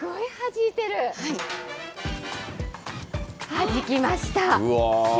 はじきました。